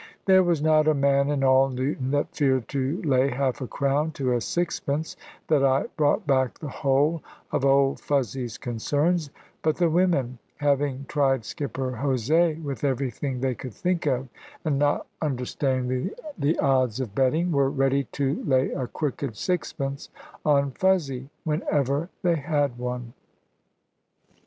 There was not a man in all Newton that feared to lay half a crown to a sixpence that I brought back the whole of old Fuzzy's concerns: but the women, having tried Skipper Jose with everything they could think of, and not understanding the odds of betting, were ready to lay a crooked sixpence on Fuzzy, whenever they had one.